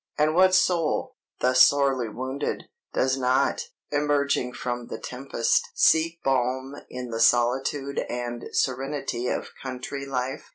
And what soul, thus sorely wounded, does not, emerging from the tempest, seek balm in the solitude and serenity of country life?